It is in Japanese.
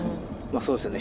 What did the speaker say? そうですよね